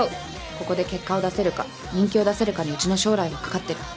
ここで結果を出せるか人気を出せるかにうちの将来は懸かってる。